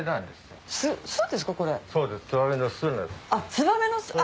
ツバメの巣。